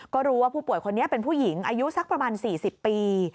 ก็รู้ว่าผู้ป่วยคนนี้เป็นผู้หญิงอายุสักประมาณ๔๐ปี